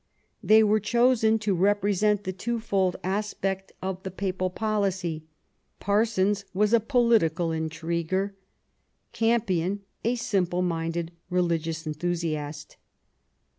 They were chosen to represent the two fold aspect igS QUEEN ELIZABETH. of the Papal policy ; Parsons was a political intriguer, Campion a simple minded religious enthusiast.